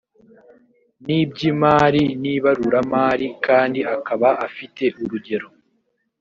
n iby imari n ibaruramari kandi akaba afite urugero